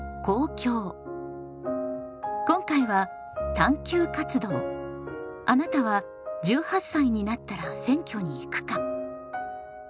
今回は「探究活動あなたは１８歳になったら選挙に行くか？」。